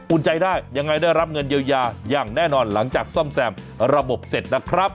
ใจได้ยังไงได้รับเงินเยียวยาอย่างแน่นอนหลังจากซ่อมแซมระบบเสร็จนะครับ